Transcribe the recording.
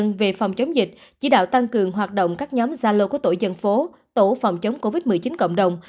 công an về phòng chống dịch chỉ đạo tăng cường hoạt động các nhóm gia lô của tổ dân phố tổ phòng chống covid một mươi chín cộng đồng